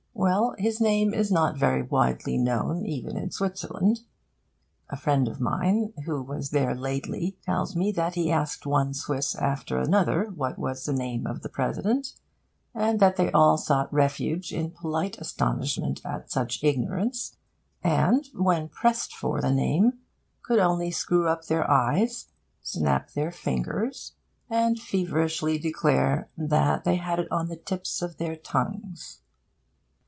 Well, his name is not very widely known even in Switzerland. A friend of mine, who was there lately, tells me that he asked one Swiss after another what was the name of the President, and that they all sought refuge in polite astonishment at such ignorance, and, when pressed for the name, could only screw up their eyes, snap their fingers, and feverishly declare that they had it on the tips of their tongues.